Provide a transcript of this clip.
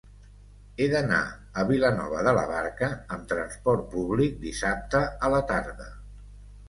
He d'anar a Vilanova de la Barca amb trasport públic dissabte a la tarda.